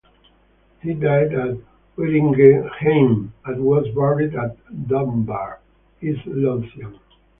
He died at Whittingehame, and was buried at Dunbar, East Lothian.